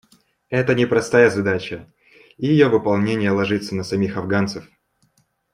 Это непростая задача, и ее выполнение ложится на самих афганцев.